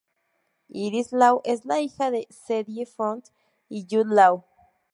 Iris Law es la hija de Sadie Frost y Jude Law.